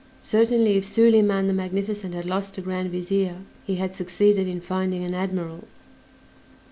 Certainly if Soliman the Magnificent had lost a Grand Vizier he had succeeded in finding an admiral!